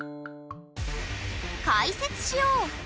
解説しよう！